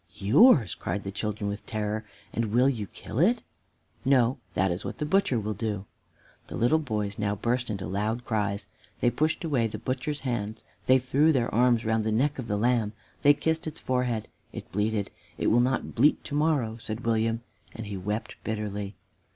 "Yours!" cried the children with terror; "and will you kill it?" "No, that is what the butcher will do." The little boys now burst into loud cries. They pushed away the butcher's hand; they threw their arms round the neck of the lamb; they kissed its forehead. It bleated. "It will not bleat to morrow!" said William, and he wept bitterly.